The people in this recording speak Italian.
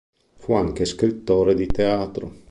Fu anche scrittore di teatro.